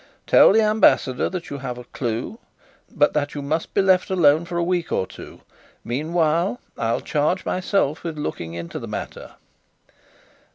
"Tell the Ambassador that you have a clue, but that you must be left alone for a week or two. Meanwhile, I'll charge myself with looking into the matter."